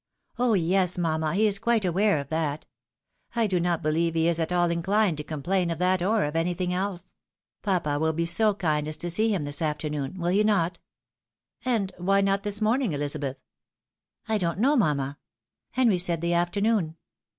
" Oh yes, mamma ! he is quite aware of that.' I do not be lieve he is at aU inclined to complain of that or of anything else. Papa will be so kind as to see him this afternoon, wiU he not ?"" And why not this morning, Ehzabeth ?" "I don't know, mamma. Henry said the afternoon."